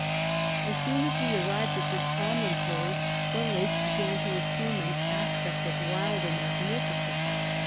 So soon as we arrived at this promontory, the lake began to as sume an aspect of wilder magnificence.